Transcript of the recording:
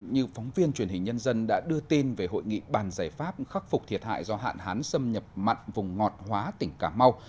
như phóng viên truyền hình nhân dân đã đưa tin về hội nghị bàn giải pháp khắc phục thiệt hại do hạn hán xâm nhập mặn vùng ngọt hóa tỉnh cà mau